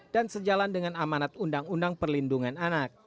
dan sejalan dengan amanat undang undang perlindungan